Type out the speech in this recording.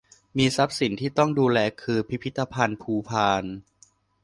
มีทรัพย์สินที่ต้องดูแลคือพิพิธภัณฑ์ภูพาน